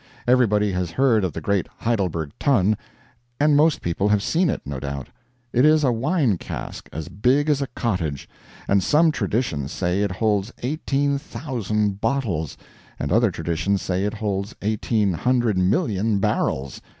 Everybody has heard of the great Heidelberg Tun, and most people have seen it, no doubt. It is a wine cask as big as a cottage, and some traditions say it holds eighteen thousand bottles, and other traditions say it holds eighteen hundred million barrels.